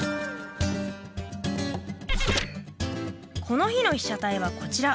この日の被写体はこちら。